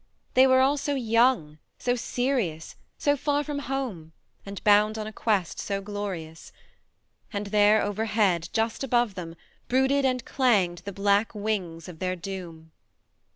They were all so young, so serious, so far from home, and bound on a quest so glorious ! And there overhead, just above them, brooded and clanged the black wings of their doom.